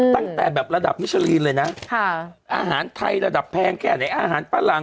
ตั้งแต่แบบระดับมิชลีนเลยนะอาหารไทยระดับแพงแค่ไหนอาหารฝรั่ง